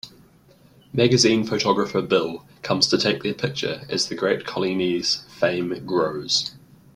Magazine photographer Bill comes to take their picture as The Great Collinis' fame grows.